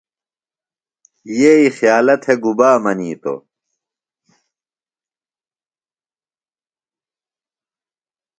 ییئ خیالہ تھےۡ گُبا منیتوۡ؟